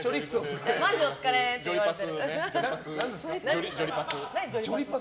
マジお疲れって。